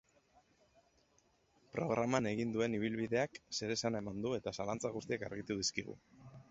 Programan egin duen ibilbideak zeresana eman du eta zalantza guztiak argitu dizkigu.